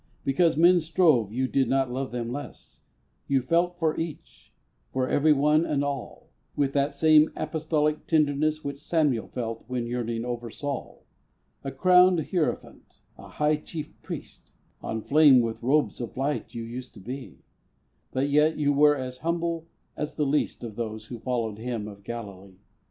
Because men strove you did not love them less; You felt for each for everyone and all With that same apostolic tenderness Which Samuel felt when yearning over Saul. A crowned hierophant a high Chief Priest On flame with robes of light, you used to be; But yet you were as humble as the least Of those who followed Him of Galilee.